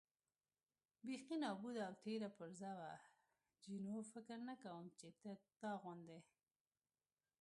بېخي نابوده او تېره پرزه وه، جینو: فکر نه کوم چې دا توغندي.